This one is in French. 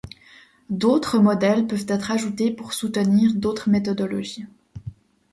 D'autres modèles peuvent être ajoutés pour soutenir d'autres méthodologies.